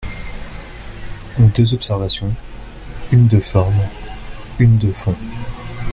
Deux observations, une de forme, une de fond.